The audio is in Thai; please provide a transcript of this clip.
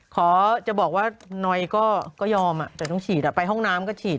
ขอจะบอกว่าหน่อยก็ยอมแต่ต้องฉีดไปห้องน้ำก็ฉีด